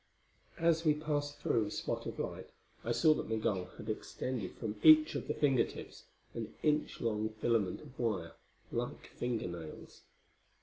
As we passed through a spot of light I saw that Migul had extended from each of the fingertips an inch long filament of wire, like finger nails.